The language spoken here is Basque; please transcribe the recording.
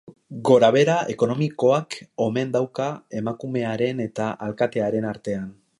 Gorabehera ekonomikoak omen daude emakumearen eta elkartearen artean.